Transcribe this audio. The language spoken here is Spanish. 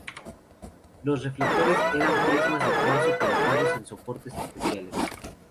Los reflectores eran prismas de cuarzo colocados en soportes especiales.